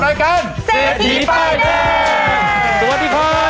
สวัสดีครับ